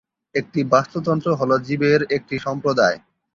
একটি বাস্তুতন্ত্র হল জীবের একটি সম্প্রদায়।